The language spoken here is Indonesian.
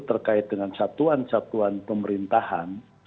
terkait dengan satuan satuan pemerintahan